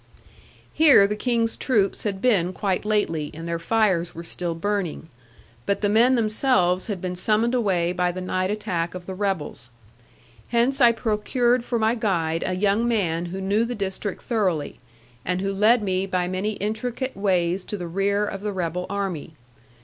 Here the King's troops had been quite lately, and their fires were still burning; but the men themselves had been summoned away by the night attack of the rebels. Hence I procured for my guide a young man who knew the district thoroughly, and who led me by many intricate ways to the rear of the rebel army.